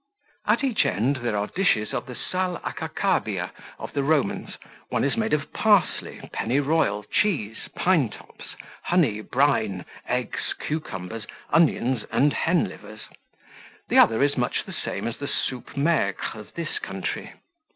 At each end there are dishes of the salacacabia of the Romans; one is made of parsley, pennyroyal, cheese, pine tops, honey, brine, eggs, cucumbers, onions, and hen livers; the other is much the same as the soup maigre of this country.